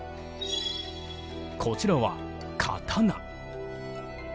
こちらは刀。